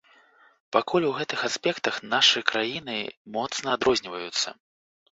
Пакуль у гэтых аспектах нашы краіны моцна адрозніваюцца.